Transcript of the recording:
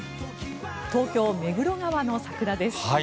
東京・目黒川の桜です。